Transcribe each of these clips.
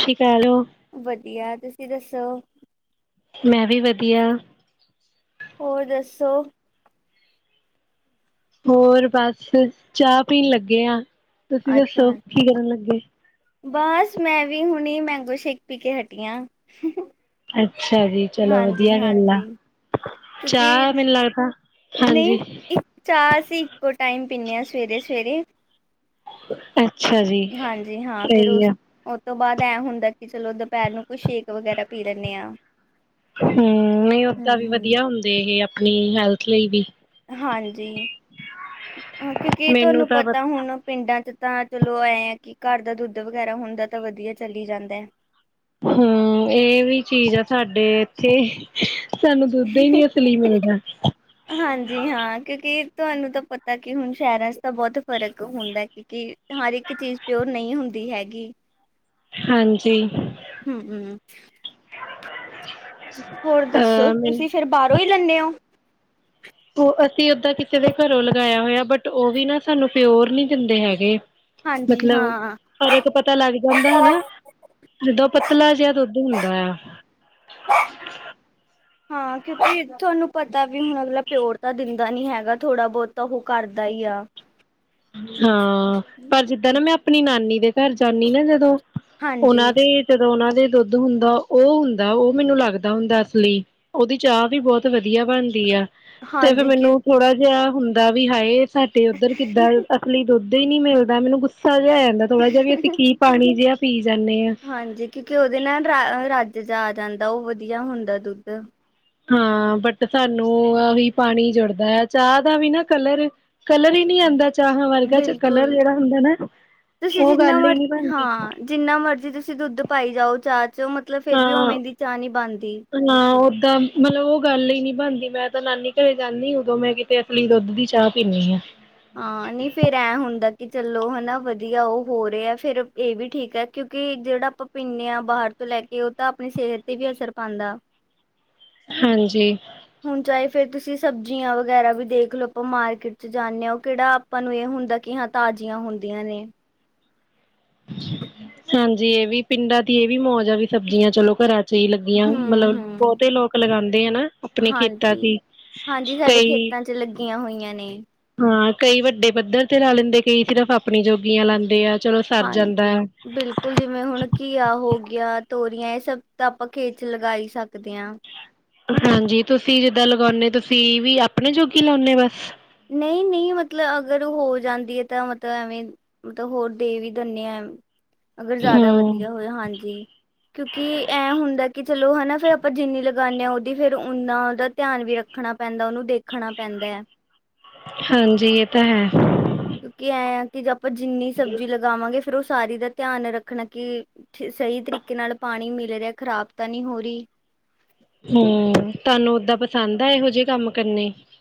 ਸਤਿ ਸ਼੍ਰੀ ਅਕਾਲ ਵਧੀਆ ਤੇ। ਤੂਸੀ ਦੱਸੋ! ਮੈਂ ਵੀ ਵਧੀਆ। ਹੋਰ ਦੱਸੋ। ਹੋਰ ਬਸ ਚਾਹ ਪੀਣ ਲੱਗੇ ਹਾਂ। ਅੱਛਾ। ਬਸ ''ਮੈਂ ਵੀ ਹੁਣੇ ਮੈ ਗੋ ਸ਼ੇਕ ਪੀਕੇ ਹਟੀ ਆ। ਅੱਛਾ ਜੀ ਚਲੋ ਵਧੀਆ ਗੱਲ ਆ ਹਾਂਜੀ-ਹਾਂਜੀ। ਕਿਉਂਕਿ ਚਾਹ ਮੈਨੂੰ ਲੱਗਦਾ ਹਾਂਜੀ ਨਹੀਂ ਇੱਕ ਚਾਹ ਅਸੀਂ ਇੱਕੋ ਟਾਈਮ ਪੀਂਨੇ ਹਾਂ, ਸਵੇਰੇ ਸਵੇਰੇ। ਅੱਛ ਅੱਛਾ ਜੀ, ਹਾਂਜੀ ਹਾਂ ਫਿਰ ਸਹੀ ਉਸ ਆ। ਉਹ ਤੋਂ ਬਾਅਦ ਐਂ ਹੁੰਦਾ ਕਿ, ਚਲੋ ਦੁਪਹਿਰ ਨੂੰ ਕੋਈ 'ਸ਼ੇਕ ਵਗੈਰਾ ਪੀ ਲੈਂਨੇ ਹਾਂ। ਹੂੰ। ਨਹੀਂ ਹੂੰ ਓਦਾਂ ਵੀ ਹੂੰ। ਵਧੀਆ ਹੁੰਦੇ ਇਹ ਆਪਣੀ ਹੈਲਥ ਲਈ ਵੀ। ਹਾਂਜੀ। ਕਿਉਂਕਿ ਮੈਨੂੰ ਤੁਹਾਨੂੰ ਤਾਂ ਪਤਾ ਹੋਣਾ ਪਿੰਡਾਂ'ਚ। ਤਾਂ ਚਲੋ ਐਂ, ਆਂ ਕਿ, ਘਰ ਦਾ ਦੁੱਧ ਵਗੈਰਾ ਹੁੰਦਾ ਤਾਂ ਵਧੀਆ ਚਲੀ ਜਾਂਦਾ ਹੈ। ਹੂੰ, ਇਹ ਵੀ ਚੀਜ਼ ਆ ਸਾਡੇ ਇੱਥੇ ਸਾਨੂੰ ''ਦੁੱਧ ਹੀ ਹੈ। ਨੀ ਅਸਲੀ ਮਿਲਦਾ। ਹਾਂਜੀ ਹਾਂ ਕਿਉਂਕਿ ਤੁਹਾਨੂੰ ਤਾਂ, ਪਤਾ ਕਿ ਹੁਣ ਸ਼ਹਿਰਾਂ'ਚ ਤਾਂ ਬਹੁਤ ਫ਼ਰਕ ਹੁੰਦਾ ਕਿਉਕਿ ਹਰ ਇੱਕ ਚੀਜ਼ ਪਿਓਰ ਨਹੀਂ ਹੁੰਦੀ ਹੈਗੀ। ਹਾਂਜੀ। ਹੂੰ-ਹੂੰ। [unintelligible] ਹੋਰ ਦੱਸੋ, ਅਹ ਮੈਨੂੰ ਤੁਸੀਂ ਫਿਰ ਬਾਹਰੋਂ ਹੀ ਲੈਂਨੇ ਓ? ''ਉਹ ਅਸੀਂ 'ਓਦਾਂ ਕਿਸੇ ਦੇ ਘਰੋਂ ਲਗਾਇਆ ਹੋਇਆ, ਬਟ ਉਹ ਵੀ ਨਾ ਸਾਨੂੰ ਪਿਓਰ ਨੀ ਦਿੰਦੇ ਹੈਗੇ। ਹਾਂਜੀ ਮਤਲਬ। ਹਾਂ। ਫ਼ਰਕ ਪਤਾ ਲੱਗ ਜਾਂਦਾ ਹਨਾ, ਜਦੋ ਪਤਲਾ ਜਿਹਾ ਦੁੱਧ ਹੁੰਦਾ ਆ। ਹਾਂ, ਕਿਉਂਕਿ ਤੁਹਾਨੂੰ ਪਤਾ ਵੀ ਹੁਣ ਅਗਲਾ ਪਿਓਰ ਤਾਂ ਦਿੰਦਾ ਨੀ, ਹੈਗਾ। ਥੋੜ੍ਹਾ ਬਹੁਤ ਤਾਂ ਉਹ ਕਰਦਾ ਹੀ ਆ। ਹਾਂ। ਪਰ ਜਿੱਦਾਂ ਨਾ ''ਮੈਂ ਆਪਣੀ ਨਾਨੀ ਦੇ 'ਘਰ ਜਾਂਨੀ ਨਾ ਜਦੋਂ ਹਾਂਜੀ 'ਉਹਨਾਂ ਦੇ, ਜਦੋਂ ਉਹਨਾਂ ਦੁੱਧ ਹੁੰਦਾ। ਉਹ ਹੁੰਦਾ ਉਹ ਮੈਨੂੰ ਲੱਗਦਾ ਹੁੰਦਾ ਅਸਲੀ। ਉਹਦੀ 'ਚਾਹ ਵੀ ਬਹੁਤ ਵਧੀਆ ਬਣਦੀ ਆ। ਤੇ, ਵੀ ਹਾਂਜੀ ਕਿ 'ਮੈਨੂੰ ਥੋੜਾ ਜਿਹਾ ਹੁੰਦਾ ਵੀ ਹਾਏ ਤੁਹਾਡੇ ਉੱਧਰ ਕਿੱਦਾਂ? ਲੀ ਦੁੱਧ ਹੀ ਨੀ ਮਿਲਦਾ, ਮੈਨੂੰ ਗੁੱਸਾ [unintelligible] ਆ ਜਾਂਦਾ ਥੋੜਾ ਜਿਹਾ, ਵੀ ਅਸੀਂ ਕੀ ਪਾਣੀ ਜੇਹਾ ਹਾਂਜੀ। ਕਿਉਂਕਿ ਉਹਦੇ ਨਾਲ, ਰਾ ਰਾਜ- ਜਾ ਜਾਂਦਾ, ਉਹ ਵਧੀਆ ਹੁੰਦਾ ਦੁੱਧ। ਹਾਂ, ਬਟ ਸਾਨੂੰ ਉਹੀ ਪਾਣੀ ਜੁੜਦਾ ਆ, 'ਚਾਹ ਦਾ ਵੀ ਨਾ, ਕਲਰ- ਕਲਰ ਹੀ ਨਹੀਂ ਆਉਂਦਾ। ਚਾਹਾਂ ਵਰਗਾ'ਚ ਕਲਰ ਬਿਲਕੁਲ ਜਿਹੜਾ ਹੁੰਦਾ ਨਾ, ਤੁਸੀਂ ਉਹ ਜਿੰਨਾ ਗੱਲ ਹੀ ਨੀ, ਮਰਜ਼ੀ ਬਣਦੀ। ਹਾਂ ਜਿੰਨਾ ਮਰਜ਼ੀ ਤੁਸੀਂ ਦੁੱਧ ਪਾਈ ਜਾਓ ਚਾ'ਚ ਚ ਮਤਲਬ ਫੇਿਰ ਵੀ ਹਾਂ ਉਵੇਂ ਦੀ ਚਾਹ ਨੀ ਬਣਦੀ ਤਾਂ ਮਤਲਬ ਉਹ ਗੱਲ ਹੀ ਨਹੀਂ ਬਣਦੀ ਮੈਂ ਤਾਂ ਨਾਨੀ ਘਰੇ ਜਾਂਦੀ ਉਦੋਂ ਮੈਂ ਕਿਤੇ ਅਸਲੀ ਦੁੱਧ ਦੀ ਚਾਹ ਪੀਂਦੀ ਹਾਂ ਨ ਹਾਂ ਨਹੀਂ ਫੇਰ ਐਂ ਹੁੰਦਾ ਕਿ ਚਲੋ ਹਨਾ ਵਧੀਆ ਉਹ ਹੋ ਰਿਹਾ ਫੇਰ ਇਹ ਵੀ ਠੀਕ ਹੈ ਕਿਉਂਕਿ ਜਿਹੜਾ ਆਪਾਂ ਪੀਂਦੇ ਹਾਂ ਬਾਹਰ ਤੋਂ ਲੈ ਕੇ ਉਹ ਤਾਂ ਆਪਣੀ ਸਿਹਤ ਤੇ ਵੀ ਅਸਰ ਪਾਉਂਦਾ ਹਾਂਜੀ ਹੁਣ ਚਾਹੇ ਫੇਰ ਤੁਸੀਂ ਸਬਜ਼ੀਆਂ ਵਗੈਰਾ ਵੀ ਦੇਖ ਲਓ ਆਪਾਂ ਮਾਰਕੀਟ ਚ ਜਾਂਦੇ ਹੋ ਕਿਹੜਾ ਆਪਾਂ ਨੂੰ ਇਹ ਹੁੰਦਾ ਕਿ ਹਾਂ ਤਾਜ਼ੀਆਂ ਹੁੰਦੀਆਂ ਨੇ ਹਾਂਜੀ ਇਹ ਵੀ ਪਿੰਡਾਂ ਦੀ ਇਹ ਵੀ ਮੌਜ ਆ ਵੀ ਸਬਜ਼ੀਆਂ ਚਲੋ ਘਰਾਂ ਜ ਲੱਗੀਆਂ ਹੂੰ ਮਤਲਬ ਹੂੰ ਬਹੁਤੇ ਲੋਕ ਲਗਾਉਂਦੇ ਆ ਨਾ ਆਪਣੇ ਖੇਤਾਂ ਹਾਂਜੀ। ਚ ਹਾਂਜੀ ਸਾਡੇ ਕਈ ਖੇਤਾਂ ਚ ਲੱਗੀਆਂ ਹੋਈਆਂ ਨੇ। ਹਾਂ ਕਈ ਵੱਡੇ ਬਧਰ ਤੇ ਲਾ ਲੈਂਦੇ ਕਈ ਸਿਰਫ਼ ਆਪਣੀ ਜੋਗੀਆਂ ਲਾਂਦੇ ਆ ਸਰ ਜਾਂਦਾ ਹੈ ਹਾਂਜੀ ਬਿਲਕੁਲ ਜਿਵੇਂ ਹੁਣ ਘੀਆ ਹੋ ਗਿਆ ਤੋਰੀਆਂ ਇਹ ਸਭ ਤਾਂ ਆਪਾਂ ਖੇਤ ਚ ਲਗਾ ਹੀ ਸਕਦੇ ਹਾਂ ਹਾਂਜੀ ਤੁਸੀਂ ਜਿੱਦਾਂ ਲਗਾਉਂਦੇ ਤੁਸੀਂ ਵੀ ਆਪਣੇ ਜੋਗੀ ਲਾਉਂਦੇ ਬਸ ਨਹੀਂ ਨਹੀਂ ਮਤਲਬ ਅਗਰ ਹੋ ਜਾਂਦੀ ਹੈ ਤਾਂ ਮਤਲਬ ਐਵੇਂ ਮਤਲਬ ਹੋਰ ਦੇ ਵੀ ਦਿੰਦੇ ਆਾਂ ਅਗਰ ਜ਼ਿਆਦਾ ਹਮ ਵਧੀਆ ਹੋਏ ਹਾਂਜੀ ਕਿਉਂਕਿ ਐ ਹੁੰਦਾ ਕਿ ਚਲੋ ਹਨਾ ਫਿਰ ਆਪਾਂ ਜਿੰਨੀ ਲਗਾਉਂਦੇ ਹਾਂ ਉਹਦੀ ਫਿਰ ਓਨਾ ਦਾ ਧਿਆਨ ਵੀ ਰੱਖਣਾ ਪੈਂਦਾ ਉਹਨੂੰ ਦੇਖਣਾ ਪੈਂਦਾ ਹੈ ਹਾਂਜੀ ਇਹ ਤਾਂ ਹੈ ਕਿਉਂਕਿ [unintelligible] ਜਿੰਨੀ ਸਬਜ਼ੀ ਲਗਾਵਾਂਗੇ ਫਿਰ ਉਹ ਸਾਰੀ ਦਾ ਧਿਆਨ ਰੱਖਣਾ ਕਿ ਸਹੀ ਤਰੀਕੇ ਨਾਲ ਪਾਣੀ ਮਿਲ ਰਿਹਾ ਖ਼ਰਾਬ ਤਾਂ ਨਹੀਂ ਹੋ ਰਹੀ ਹਮ ਤੁਹਾਨੂੰ ਓਦਾਂ ਪਸੰਦ ਆ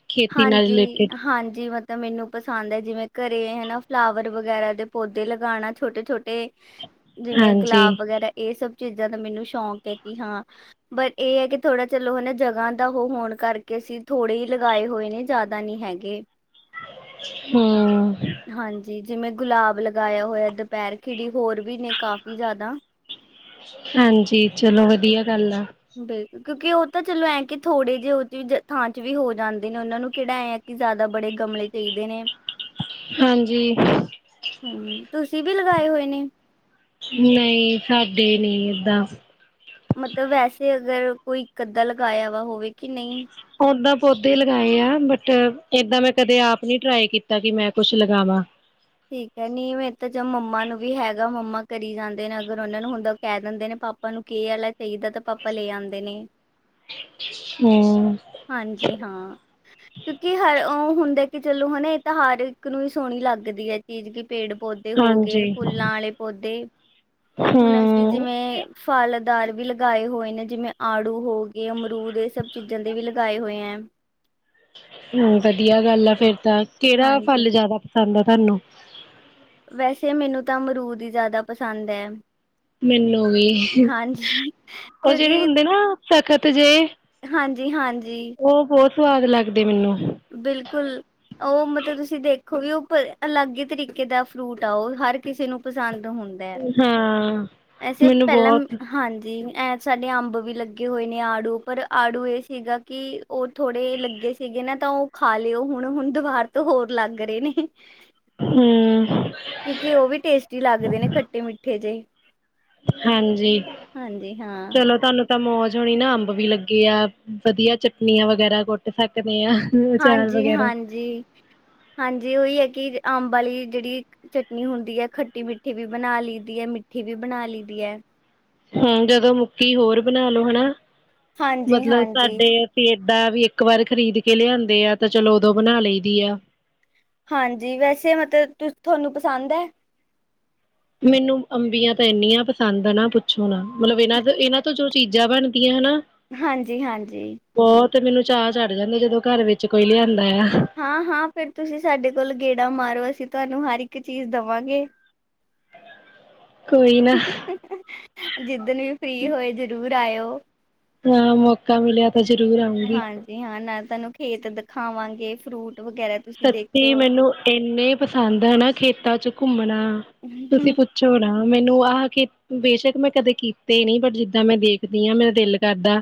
ਖੇਤੀ ਨਾਲ ਹਾਂਜੀ ਰਿਲੇਟਿਡ ਹਾਂਜੀ ਮਤ ਤਾਂ ਮੈਨੂੰ ਪਸੰਦ ਹੈ ਜਿਵੇਂ ਘਰੇ ਹੈ ਨਾ ਫਲਾਵਰ ਵਗੈਰਾ ਦੇ ਪੌਦੇ ਲਗਾਉਣਾ ਛੋਟੇ ਛੋਟੇ ਜਿਵੇਂ ਹਾਂਜੀ ਗੁਲਾਬ ਵਗੈਰਾ ਇਹ ਸਭ ਚੀਜ਼ਾਂ ਦਾ ਮੈਨੂੰ ਸ਼ੌਕ ਹੈ ਕਿ ਹਾਂ ਬਟ ਇਹ ਹੈ ਕਿ ਥੋੜਾ ਚਲੋ ਹਨਾ ਜਗ੍ਹਾ ਦਾ ਉਹ ਹੋਣ ਕਰਕੇ ਅਸੀਂ ਥੋੜੇ ਹੀ। ਉੱਘੇ ਹੋਏ ਨੇ ਜ਼ਿਆਦਾ ਨਹੀਂ ਹੈਗੇ। ਹੂੰ। ਹਾਂਜੀ ਜਿਵੇਂ ਗੁਲਾਬ ਲਗਾਇਆ ਹੋਇਆ, ਦੁਪਹਿਰ ਖਿੜੀ ਹੋਰ ਵੀ ਨੇ ਕਾਫੀ ਜ਼ਿਆਦਾ। ਹਾਂਜੀ ਚਲੋ ਵਧੀਆ ਗੱਲ ਆ। ਵੇ। ਕਿਉਂਕਿ ਉਹ ਤਾਂ ਚਲੋ ਐਂ ਕਿ ਥੋੜੇ ਜਿਹੇ ਉਹ ਥਾਂ ਚ ਵੀ ਹੋ ਜਾਂਦੇ ਨੇ ਉਹਨਾਂ ਨੂੰ ਕਿਹੜਾ ਆ ਕਿ ਜ਼ਿਆਦਾ ਬੜੇ ਗਮਲੇ ਚਾਹੀਦੇ ਨੇ? ਹਾਂਜੀ। ਹੂੰ ਤੁਸੀਂ ਵੀ ਲਗਾਏ ਹੋਏ ਨੇ? ਨਹੀਂ ਸਾਡੇ ਨਹੀਂ ਏਦਾਂ। ਮਤਲਬ ਵੈਸੇ ਅਗਰ ਕੋਈ ਇੱਕ ਅੱਧਾ ਲਗਾਇਆ ਵਾ ਹੋਵੇ ਕਿ ਨਹੀਂ? ਓਦਾਂ ਪੌਦੇ ਲਗਾਏ ਆ ਬਟ ਏਦਾਂ ਮੈਂ ਕਦੇ ਆਪ ਨੀ ਟਰਾਈ ਕੀਤਾ ਕਿ ਮੈਂ ਕੁਛ ਲਗਾਵਾਂ। ਠੀਕ ਹੈ ਨੀਵੇ ਇਹ ਤਾਂ ਜਾ ਮੰਮਾ ਨੂੰ ਵੀ ਹੈਗਾ ਮੰਮਾ ਕਰੀ ਜਾਂਦੇ ਨੇ ਅਗਰ ਉਹਨਾਂ ਨੂੰ ਹੁੰਦਾ ਉਹ ਕਹਿ ਦਿੰਦੇ ਨੇ ਪਾਪਾ ਨੂੰ ਕਿ ਆ ਵਾਲਾ ਚਾਹੀਦਾ ਤੇ ਪਾਪਾ ਲੈ ਆਉਂਦੇ ਨੇ। ਹਮ ਹਾਂਜੀ ਹਾਂ ਕਿਉਂਕਿ ਹਰ ਉਹ। ਹੁੰਦਾ ਕਿ ਚਲੋ ਹਨਾ ਇਹ ਤਾਂ ਹਰ ਇੱਕ ਨੂੰ ਹੀ ਸੋਹਣੀ ਲੱਗਦੀ ਹੈ। ਚੀਜ਼ [unintelligible] ਪੇੜ ਪੌਦੇ ਹੋ ਗਏ, ਹਾਂਜੀ ਫੁੱਲਾਂ ਆਲੇ ਪੋਦੇ ਹੁਣ ਅਸੀਂ ਹਮ ਜਿਵੇਂ ਫਲ ਦਾਰ ਵੀ ਲਗਾਏ ਹੋਏ ਨੇ ਜਿਵੇਂ ਆੜੂ ਹੋ ਗਏ, ਅਮਰੂਦ ਇਹ ਸਭ ਚੀਜ਼ਾਂ ਦੇ ਵੀ ਲਗਾਏ ਹੋਏ ਹੈ। ਹੂੰ ਵਧੀਆ ਗੱਲ ਆ ਫੇਰ। ਤਾਂ ਕਿਹੜਾ ਹਾਂਜੀ ਫਲ ਜਿਆਦਾ ਪਸੰਦ ਆ ਧਾਨੂੰ। ਵੈਸੇ ਮੈਨੂੰ ਤਾਂ ਅਮਰੂਦ ਹੀ ਜ਼ਿਆਦਾ ਪਸੰਦ ਹੈ। ਮੈਨੂੰ ਵੀ ਹਾਂਜੀ ਉਹ ਜਿਹੜੇ ਕਿਉਂਕਿ ਹੁੰਦੇ ਨਾ ਸਖਤ ਜੇ ਹਾਂਜੀ-ਹਾਂਜੀ। ਉਹ ਬਹੁਤ ਸਵਾਦ ਲੱਗਦੇ ਮੈਨੂੰ। ਬਿਲਕੁਲ ਉਹ ਮਤਲਬ ਤੁਸੀਂ ਦੇਖੋ ਗੇ ਉਹ ਅਲੱਗ ਹੀ ਤਰੀਕੇ ਦਾ ਫਰੂਟ ਆ ਉਹ ਹਰ ਕਿਸੇ ਨੂੰ ਪਸੰਦ ਹੁੰਦਾ ਹੈ ਹਾਂ। ਇਹ ਸਿਰਫ ਮੈਨੂੰ ਪਹਿਲਾਂ ਬਹੁਤ ਹਾਂਜੀ ਐ ਸਾਡੇ ਅੰਬ ਵੀ ਲੱਗੇ ਹੋਏ ਨੇ, ਆੜੂ ਪਰ ਆੜੂ ਇਹ ਸੀਗਾ ਕਿ ਉਹ ਥੋੜੇ ਲੱਗੇ ਸੀਗੇ ਨਾ ਤਾਂ ਉਹ ਖਾ ਲਿਓ ਹੁਣ, ਹੁਣ ਦੀਵਾਰ ਤੋਂ ਹੋਰ ਲੱਗ ਰਹੇ ਨੇ। ਹੂੰ ਕਿਉਂਕਿ ਉਹ ਵੀ ਟੇਸਟੀ ਲੱਗਦੇ ਨੇ ਖੱਟੇ ਮਿੱਠੇ ਜਿਹੇ। ਹਾਂਜੀ ਹਾਂਜੀ ਹਾਂ, ਚਲੋ ਤੁਹਾਨੂੰ ਤਾਂ ਮੌ ਜ ਹੋਣੀ ਨਾ ਅੰਬ ਵੀ ਲੱਗੇ ਆ ਵਧੀਆ ਚਟਨੀਆਂ ਵਗੈਰਾ ਕੁੱਟ ਸਕਦੇ ਆ। ਅਚਾਰ ਵਗੈਰਾ ਹਾਂਜੀ-ਹਾਂਜੀ, ਹਾਂਜੀ ਉਹੀ ਹੈ ਕਿ ਅੰਬ ਵਾਲੀ ਜਿਹੜੀ ਚਟਨੀ ਹੁੰਦੀ ਹੈ ਖੱਟੀ-ਮਿੱਠੀ ਵੀ ਬਣਾ ਲਈ ਦੀ ਹੈ ਮਿੱਠੀ ਵੀ ਬਣਾ ਲਈ ਦੀ ਹੈ। ਹੂੰ ਜਦੋਂ ਮੁੱਕੀ ਹੋਰ ਬਣਾ ਲੋ ਹਨਾ। ਹਾਂਜੀ ਮਤਲਬ ਹਾਂਜੀ ਸਾਡੇ ਅਸੀਂ ਡਾ ਵੀ ਇੱਕ ਵਾਰ ਖਰੀਦ ਕੇ ਲਿਆਂਦੇ ਆ ਤੇ ਚਲੋ ਉਦੋਂ ਬਨਾ ਲਈ ਦੀ ਆ। ਹਾਂਜੀ ਵੈਸੇ ਮਤਲਬ ਤੁ ਤੁਹਾਨੂੰ ਪਸੰਦ ਹੈ। ਮੈਨੂੰ ਅੰਬੀਆਂ ਤਾਂ ਇੰਨੀਆਂ ਪਸੰਦ ਨਾ ਪੁੱਛੋ ਨਾ ਮਤਲਬ ਇਹਨਾਂ ਇਹਨਾਂ ਤੋਂ ਜੋ ਚੀਜ਼ਾਂ ਬਣਦੀਆਂ ਹਨਾ ਹਾਂਜੀ-ਹਾਂਜੀ। ਤੇ ਮੈਨੂੰ ਚਾਅ ਚੜ੍ਹ ਜਾਂਦੇ ਜਦੋਂ ਘਰ ਵਿੱਚ ਕੋਈ ਲਿਆ ਹਾਂ-ਹਾਂ ਫਿਰ ਤੁਸੀਂ ਸਾਡੇ ਕੋਲ ਗੇ ਡਾ ਮਾਰੋ ਅਸੀਂ ਤੁਹਾਨੂੰ ਹਰ ਇੱਕ ਚੀਜ਼ ਦਵਾਗੇ। ਕੋਈ ਨਾ ਜਿੱਦਨ ਵੀ ਫ੍ਰੀ ਹੋਏ ਜਰੂਰ ਲਾਇਓ। ਹਾਂ ਮੌਕਾ ਮਿਲਿਆ ਤਾਂ ਜ਼ਰੂਰ ਆਊਂਗੀ ਹਾਂਜੀ ਹਾਂ ਨਾਲ ਤੁਹਾਨੂੰ ਖੇਤ ਦਿਖਾਵਾਂਗੇ। ਫਰੁ ਸੱਚੀ ਮੈਨੂੰ ਇੰਨੇ ਪਸੰਦ ਹਨਾ ਖੇਤਾਂ ਚ ਘੁੰਮਨਾ ਤੁਸੀਂ ਪੁੱਛੋ ਨਾ। ਮੈਨੂੰ ਆਹ ਕੇ ਬੇਸ਼ੱਕ ਮੈਂ ਕਦੇ ਕੀਤੇ ਨੀ ਬਟ ਜਿੱਦਾਂ ਮੈਂ ਦੇਖਦੀ ਆ ਮੇਰਾ ਦਿਲ ਕਰਦਾ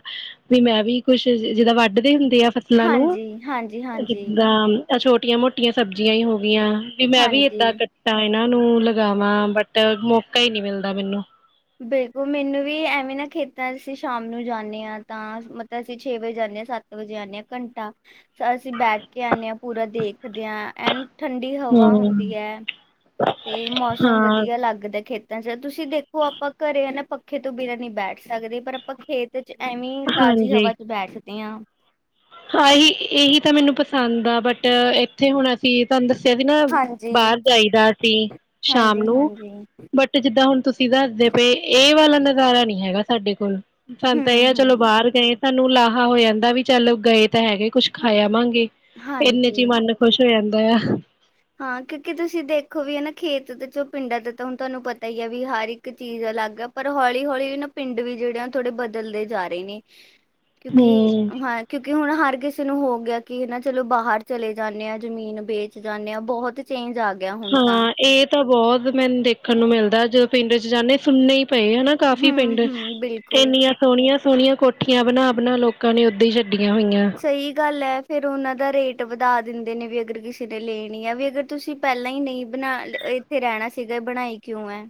ਵੀ ਮੈਂ ਵੀ ਕੁਛ ਜਿਦਾਂ ਵੱਢਦੇ ਹੁੰ [unintelligible] ਫ਼ਸਲਾਂ ਨੂੰ ਹਾਂਜੀ ਹਾਂਜੀ ਹਾਂਜੀ ਜਿੱਦਾਂ ਤਾਂ ਛੋਟੀਆਂ ਮੋਟੀਆਂ ਸਬਜ਼ੀਆਂ ਹੀ ਹੋ ਗਈਆਂ। ਵੀ ਮੈਂ ਵੀ ਏਦਾਂ ਹਾਂਜੀ ਕੱਟਾਂ ਇਹਨਾਂ ਨੂੰ ਲਗਾਵਾਂ ਬਟ ਮੌਕਾ ਹੀ ਨਹੀਂ। ਮਿਲਦਾ ਮੈਨੂੰ ਬਿਲਕੁਲ ਮੈਨੂੰ ਵੀ ਐਵੇਂ ਨਾ ਖੇਤਾਂ ਅਸੀਂ ਸ਼ਾਮ ਨੂੰ ਜਾਂਦੇ ਆ ਤਾਂ ਮਤਲਬ ਅਸੀਂ ਛੇ ਵਜੇ ਜਾਣੇ ਆ ਸੱਤ ਵਜੇ ਆ ਜਾਨੇ ਆ ਘੰਟਾ ਅਸੀਂ ਬੈਠ ਕੇ ਆਣਾ ਹਾਂ ਪੂਰਾ ਦੇਖਦੇ ਹਾਂ ਐਂ ਠੰਡੀ ਹਵਾ ਹੁੰਦੀ ਹਮ ਹੈ। ਤੇ ਮੌਸਮ ਹਾਂ ਵਧੀਆ ਲੱਗਦਾ ਖੇਤ ਤਾਂ ਤੁਸੀਂ ਦੇਖੋ ਆਪਾਂ ਘਰੇ ਆ ਨਾ ਪੱਖੇ ਤੋਂ ਬਿਨਾਂ ਨਹੀਂ ਬੈਠ ਸਕਦੇ ਪਰ ਆਪਾਂ ਖੇਤ ਐਵੇਂ ਤਾਜ਼ੀ ਹਵਾ ਚ ਬੈਠਦੇ ਆ। ਹਾਂ ਇਹੀ ਇਹੀ ਤਾਂ ਮੈਨੂੰ ਪਸੰਦ ਆ ਬਟ ਇੱਥੇ ਹੁਣ ਸੀ ਤੁਹਾਨੂੰ ਦੱਸਿਆ ਸੀ ਨਾ ਹਾਂਜੀ ਬਾਹਰ ਜਾਈਦਾ ਸੀ ਸ਼ਾਮ ਹਾਂਜੀ ਨੂੰ ਹਾਂਜੀ ਬਟ ਜਿੱਦਾਂ ਹੁਣ ਤੁਸੀਂ ਸੀ ਦੱਸਦੇ ਪਏ ਇਹ ਵਾਲਾ ਨਜ਼ਾਰਾ ਨਹੀਂ ਹੈਗਾ ਸਾਡੇ ਕੋਲ ਸਾਨੂੰ ਤਾਂ ਹਮ ਇਹ ਆ ਚਲੋ ਹਮ ਬਾਹਰ ਗਏ। ਸਾਨੂੰ ਲਾਹਾ ਹੋ ਜਾਂਦਾ ਵੀ ਚੱਲ ਗਏ ਤਾਂ ਹੈਗੇ ਕੁੱਛ ਖਾਇਆ ਵਾਂਗੇ ਇੰਨੇ ਚ ਹੀ ਹਾਂਜੀ ਮਨ ਖੁਸ਼ ਹੋ ਜਾਂਦਾ। ਦਾ ਆ ਹਾਂ ਕਿਉਂਕਿ ਤੁਸੀਂ ਦੇਖੋ ਵੀ ਹਨਾ ਖੇਤ ਦੇ ਚ ਪਿੰਡਾਂ ਦੇ ਤਾਂ ਹੁਣ ਤੁਹਾਨੂੰ ਪਤਾ ਹੀ ਆ ਵੀ ਹਰ ਇੱਕ ਚੀਜ਼ ਅਲੱਗ ਆ ਪਰ ਹੌਲੀ ਹੌਲੀ ਨਾ ਪਿੰਡ ਵੀ ਜਿਹੜੇ ਆ ਥੋੜੇ ਬਦਲਦੇ ਜਾ ਰਹੇ ਨੇ। ਕਿਉਂਕ ਹਮ ਹਾਂ ਕਿਉਂਕਿ ਹੁਣ ਹਰ ਕਿਸੇ ਨੂੰ ਹੋ ਗਿਆ ਕਿ ਹਨਾ ਚਲੋ ਬਾਹਰ ਚਲੇ ਜਾਣੇ ਆ ਜ਼ਮੀਨ ਵੇਚ ਜਾਂਦੇ ਆ ਬਹੁਤ ਚੇਂਜ ਆ ਗਿਆ। ਹੁਣ ਤਾਂ ਹਾਂ ਇਹ ਤਾਂ ਬਹੁਤ ਮੈਨੂੰ ਦੇਖਣ ਨੂੰ ਮਿਲਦਾ ਜਦੋਂ ਪਿੰਡ ਚ ਜਾਣੇ ਪਏ ਆ ਨਾ ਕਾਫ਼ੀ ਹੂੰ ਪਿੰਡ ਹੂੰ ਬਿਲਕੁਲ ਇੰਨੀਆਂ ਸੋਹਣੀਆਂ ਸੋਹਣੀਆਂ ਕੋਠੀਆਂ ਬਣਾ-ਬਣਾ ਲੋਕਾਂ ਨੇ ਓਦਾ ਸਹੀ ਗੱਲ ਹੈ ਫਿਰ ਉਹਨਾਂ ਦਾ ਰੇਟ ਵਧਾ ਦਿੰਦੇ ਨੇ ਵੀ ਅਗਰ ਕਿਸੇ ਨੇ ਲੈਣੀ ਆ ਵੀ ਅਗਰ ਤੁਸੀਂ ਪਹਿਲਾਂ ਹੀ ਨਹੀਂ ਬਣਾ ਇੱਥੇ ਰਹਿਣਾ ਸੀਗਾ ਬਣਾਈ ਕਿਉਂ ਹੈ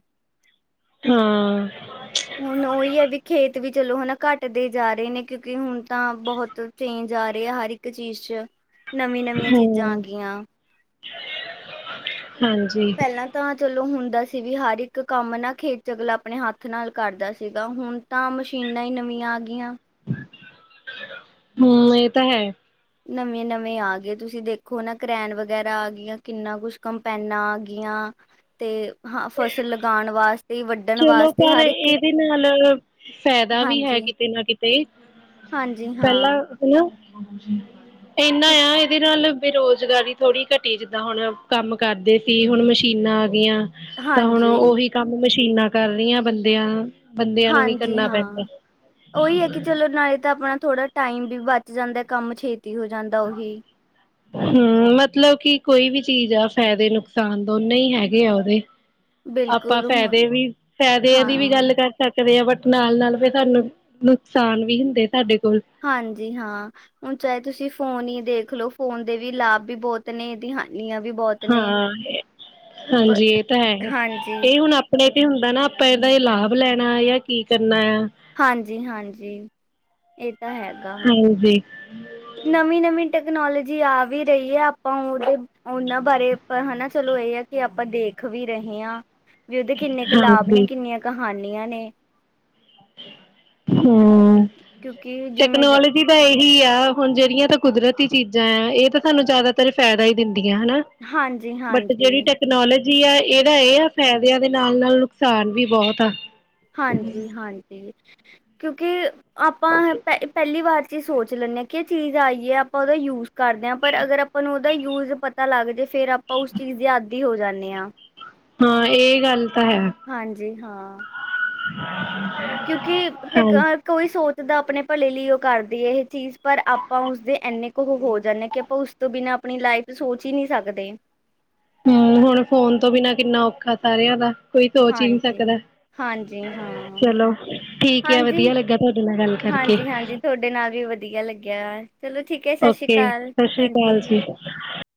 ਹਾਂ ਹੁਣ ਉਹੀ ਹੈ ਵੀ ਖੇਤ ਵੀ ਚਲੋ ਹਨਾ ਘੱਟਦੇ ਜਾ ਰਹੇ ਨੇ ਕਿਉਂਕਿ ਹੁਣ ਤਾਂ ਬਹੁਤ ਚੇਂਜ ਆ ਰਹੇ ਆ ਹਰ ਇੱਕ ਚੀਜ਼ ਚ ਨਵੀਂ ਨਵੀਆਂ ਚੀਜ਼ਾਂ ਆ ਹਮ ਗਈਆਂ ਹਾਂਜੀ ਪਹਿਲਾਂ ਤਾਂ ਚਲੋ ਹੁੰਦਾ ਸੀ ਵੀ ਹਰ ਇੱਕ ਕੰਮ ਨਾ ਖੇਤ ਚਗਲਾ ਆਪਣੇ ਹੱਥ ਨਾਲ ਕਰਦਾ ਸੀਗਾ ਹੁਣ ਤਾਂ ਮਸ਼ੀਨਾਂ ਹੀ ਨਵੀਆਂ ਆ ਗਈਆਂ ਹੂੰ ਇਹ ਤਾਂ ਹੈ ਨਵੇਂ-ਨਵੇਂ ਆ ਗਏ ਤੁਸੀਂ ਦੇਖੋ ਨਾ ਕਰੈਨ ਵਗੈਰਾ ਆ ਗਈਆਂ ਕਿੰਨਾ ਕੁਛ ਕੰਪੈਨਾ ਆ ਗਈਆਂ ਤੇ ਹਾਂ ਫਸਲ ਲਗਾਉਣ ਵਾਸਤੇ ਵੱਢਣ ਚਲੋ ਵਾਸਤੇ ਪਰ ਹਰ ਇੱਕ ਇਹਦੇ ਨਾਲ ਫਾਇਦਾ ਵੀ ਹੈ ਹਾਂਜੀ ਕਿਤੇ ਨਾ ਕਿਤੇ ਹਾਂਜੀ ਪਹਿਲਾਂ ਹਾਂ ਹਨਾ [inaudible] ਇੰਨਾ ਕਿਉਂ- ਆ ਇਹਦੇ ਨਾਲ ਬੇਰੁਜ਼ਗਾਰੀ ਥੋੜ੍ਹੀ ਘਟੀ ਜਿੱਦਾਂ ਹੁਣ ਕੰਮ ਕਰਦੇ ਸੀ ਹੁਣ ਮਸ਼ੀਨਾਂ ਆ ਗਈਆਂ ਤਾਂ ਹੁਣ ਹਾਂਜੀ ਉਹੀ ਕੰਮ ਮਸ਼ੀਨ ਨਾ ਕਰਿਆ ਰਹੀਆਂ ਬੰਦਿਆਂ ਨੂੰ ਬੰਦਿਆਂ ਵੀ ਹਾਂਜੀ ਕਰਨਾ ਪੈਂਦਾ ਹਾਂ ਉਹੀ ਹੈ ਕਿ ਚਲੋ ਨਾਲੇ ਤਾਂ ਆਪਣਾ ਥੋੜ੍ਹਾ ਟਾਈਮ ਵੀ ਬਚ ਜਾਂਦਾ ਹੈ ਕੰਮ ਛੇਤੀ ਹੋ ਜਾਂਦਾ ਉਹੀ। ਹਮ ਮਤਲਬ ਕਿ ਕੋਈ ਵੀ ਚੀਜ਼ ਆ ਫਾਇਦੇ ਨੁਕਸਾਨ ਦੋਨੇ ਹੀ ਹੈਗੇ ਆ ਉਹਦੇ ਆਪਾਂ ਬਿਲਕੁਲ ਹੁਣ ਫਾਇਦੇ ਵੀ ਫਾਇਦਿਆਂ ਹਾਂ ਦੀ ਵੀ ਗੱਲ ਕਰ ਸਕ- ਦੇ ਆ ਬਟ ਨਾਲ ਨਾਲ ਵੀ ਤੁਹਾਨੂੰ ਨੁਕਸਾਨ ਵੀ ਹੁੰਦੇ ਸਾਡੇ ਕੋਲ ਹਾਂਜੀ ਹਾਂ ਹੁਣ ਚਾਹੇ ਤੁਸੀਂ ਫੋਨ ਹੀ ਦੇਖਲੋ ਫੋਨ ਦੇ ਵੀ ਲਾਭ ਵੀ ਬਹੁਤ ਨੇ ਇਹਦੀ ਹਾਂਜੀ ਹਾਂ ਬ ਹਾਂਜੀ ਇਹ ਤਾਂ ਹੈ ਹਾਂਜੀ ਇਹ ਹੁਣ ਆਪਣੇ ਇਹ ਹੁੰਦਾ ਨਾ ਆਪਾਂ ਇਹਦਾ ਇਹ ਲਾਭ ਲੈਣਾ ਜਾਂ ਕੀ ਕਰਨਾ ਆ ਹਾਂਜੀ ਹਾਂਜੀ ਇਹ ਤਾਂ ਹੈਗਾ ਹਾਂਜੀ ਨਵੀਂ ਨਵੀਂ ਟੈਕਨੋਲੋਜੀ ਆ ਵੀ ਰਹੀ ਹੈ ਆਪਾਂ ਉਹਦੇ ਉਹਨਾਂ ਬਾਰੇ ਹਨਾ ਚਲੋ ਇਹ ਆ ਕਿ ਆਪਾਂ ਦੇਖ ਵੀ ਰਹੇ ਹਾਂ ਵੀ ਉਹਦੇ ਕਿੰਨੇ ਕੁ ਲਾਭ ਨੇ ਹਾਂਜੀ ਕਿੰਨੀਆਂ ਕੁ ਹਾਣੀਆ ਨੇ ਹਮ ਕਿਉਂਕਿ ਜਿਵੇਂ ਜ- ਟੈਕਨੋਲੋਜੀ ਦਾ ਇਹ ਹੀ ਆ ਹੁਣ ਜਿਹੜੀਆਂ ਤਾਂ ਕੁਦਰਤੀ ਚੀਜ਼ਾਂ ਆ ਇਹ ਤਾਂ ਸਾਨੂੰ ਜ਼ਿਆਦਾਤਰ ਫਾਇਦਾ ਹੀ ਦਿੰਦਾ ਹਨਾ ਹਾਂਜੀ ਬਟ ਹਾਂਜੀ। ਜਿਹੜੀ ਟੈਕਨੋਲੋਜੀ ਜੀ ਆ ਇਹਦਾ ਇਹ ਆ ਫਾਇਦਿਆਂ ਦੇ ਨਾਲ ਨਾਲ ਨੁਕਸਾਨ ਵੀ ਬਹੁਤ ਆ ਹਾਂਜੀ ਹਾਂਜੀ ਕਿਉਂਕਿ ਆਪਾਂ ਪਹਿ ਪਹਿਲੀ ਵਾਰ ਚ ਸੋਚ ਲੈਂਦੇ ਹਾਂ ਕਿ ਚੀਜ਼ ਆਈਏ ਆਪਾਂ ਉਹਦਾ ਯੂਜ ਕਰਦੇ ਹਾਂ ਪਰ ਅਗਰ ਆਪਾਂ ਨੂੰ ਦਾ ਯੂਜ ਪਤਾ ਲੱਗ ਜਾੇ ਫੇਰ ਆਪਾਂ ਉਸ ਚੀਜ਼ ਦੀ ਆਦੀ ਹੋ ਜਾਂਦੇ ਹਾਂ ਹਾਂ ਇਹ ਗੱਲ ਤਾਂ ਹੈ ਹਾਂਜੀ ਹਾਂ ਹਾਂ ਕਿਉਂਕਿ ਇਕਵਾਰ ਕੋਈ ਸੋਚ ਜਿੱਦਾਂ ਆਪਣੇ ਭਲੇ ਲਈ ਉਹ ਕਰਦੀ ਹੈ ਇਹ ਚੀਜ਼ ਪਰ ਆਪਾਂ ਉਸਦੇ ਇੰਨੇ ਹੋ ਜਾਂਦਾ ਕਿ ਆਪਾਂ ਉਸ ਤੋਂ ਬਿਨਾ ਆਪਣੀ ਲਾਈਫ ਸੋਚ ਹੀ ਨਹੀਂੀ ਸਕਦੇ ਹਮ ਹੁਣ ਫੋਨ ਤੋਂ ਬਿਨਾਂ ਕਿੰਨਾ ਔਖਾ ਸਾਰਿਆਂ ਦਾ ਕੋਈ ਸੋਚ ਹੀ ਨਹੀਂ ਹਾਂਜੀ ਸਕਦਾ ਹਾਂਜੀ ਹਾਂ ਚਲੋ ਠੀਕ ਆ ਹਾਂਜੀ ਵਧੀਆ ਲੱਗਾ ਤੁਹਾਡੇ ਨਾਲ ਗੱਲ ਕਰਕੇ ਹਾਂਜੀ ਹਾਂਜੀ ਤੁਹਾਡੇ ਨਾਲ ਵੀ ਵਧੀਆ ਲੱਗਿਆ ਚਲੋ ਠੀਕ ਹੈ ਸਤਿ ਸ਼੍ਰੀ ਓਕੇ ਅਕਾਲ ਸਤਿ ਸ੍ਰੀ ਹਾਂਜੀ ਅਕਾਲ ਜੀ